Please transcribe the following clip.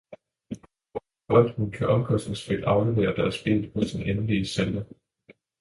Vores befolkning kan omkostningsfrit aflevere deres bil hos den endelige sælger.